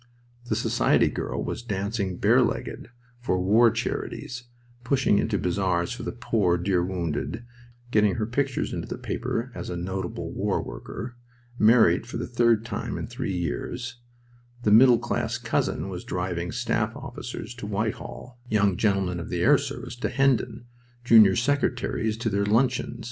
The society girl was dancing bare legged for "war charities," pushing into bazaars for the "poor, dear wounded," getting her pictures into the papers as a "notable warworker," married for the third time in three years; the middle class cousin was driving staff officers to Whitehall, young gentlemen of the Air Service to Hendon, junior secretaries to their luncheon.